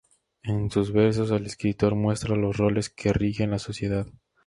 En sus versos el escritor muestra los roles que rigen la sociedad.